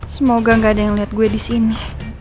semoga gak ada yang liat gue disini